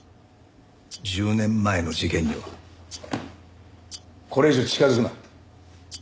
１０年前の事件にはこれ以上近づくな。